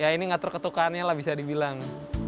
ya ini ngatur ketukannya lah bisa dibilang